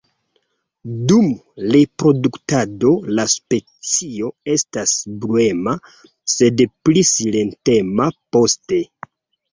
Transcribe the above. Dum reproduktado la specio estas bruema, sed pli silentema poste.